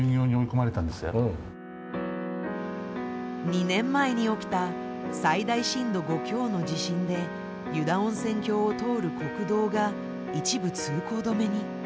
２年前に起きた最大震度５強の地震で湯田温泉峡を通る国道が一部通行止めに。